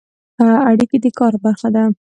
اړیکې د کار برخه ده